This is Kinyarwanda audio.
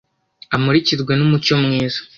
amurikirwe n umucyo mwiza